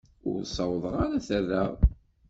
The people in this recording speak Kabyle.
Ur ssawḍeɣ ara ad t-rreɣ.